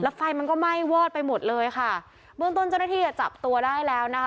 ไฟมันก็ไหม้วอดไปหมดเลยค่ะเบื้องต้นเจ้าหน้าที่อ่ะจับตัวได้แล้วนะคะ